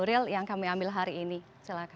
mereka tangani lebih aprendar karena tidak